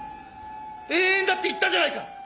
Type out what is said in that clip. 永遠だって言ったじゃないか。